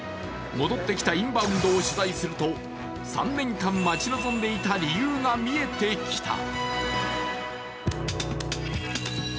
戻ってきたインバウンドを取材すると３年間、待ち望んでいた理由が見えてきた。